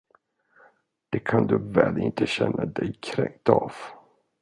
Det kan du väl inte känna dig kränkt av?